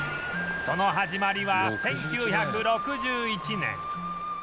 その始まりは１９６１年